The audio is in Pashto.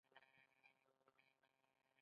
ښوونځی د ژوند کولو هنر ورزده کوي.